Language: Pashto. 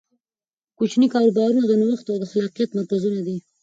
کوچني کاروبارونه د نوښت او خلاقیت مرکزونه دي.